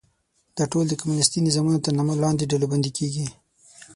دا ټول د کمونیستي نظامونو تر نامه لاندې ډلبندي کېږي.